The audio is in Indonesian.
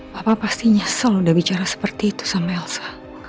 bapak pasti nyesel udah bicara seperti itu sama elsa